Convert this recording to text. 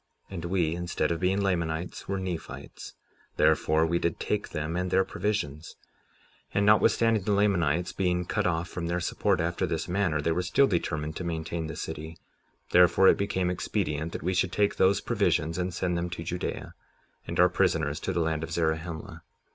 And we, instead of being Lamanites, were Nephites; therefore, we did take them and their provisions. 57:11 And notwithstanding the Lamanites being cut off from their support after this manner, they were still determined to maintain the city; therefore it became expedient that we should take those provisions and send them to Judea, and our prisoners to the land of Zarahemla.